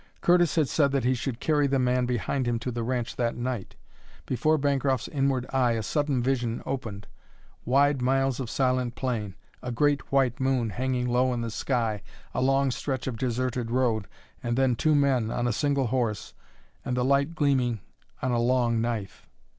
Curtis had said that he should carry the man behind him to the ranch that night. Before Bancroft's inward eye a sudden vision opened: wide miles of silent plain, a great white moon hanging low in the sky, a long stretch of deserted road, and then two men on a single horse and the light gleaming on a long knife!